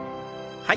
はい。